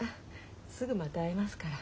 すぐまた会えますから。